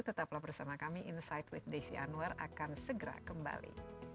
tetaplah bersama kami insight with desi anwar akan segera kembali